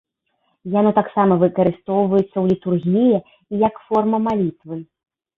Яно таксама выкарыстоўваецца ў літургіі і як форма малітвы.